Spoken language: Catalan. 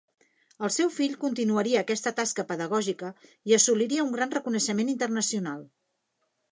El seu fill continuaria aquesta tasca pedagògica i assoliria un gran reconeixement internacional.